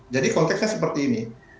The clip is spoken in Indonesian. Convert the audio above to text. jadi konteksnya seperti ini